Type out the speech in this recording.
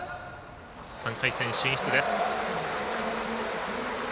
３回戦進出です。